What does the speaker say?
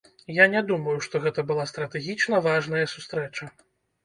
Я не думаю, што гэта была стратэгічна важная сустрэча.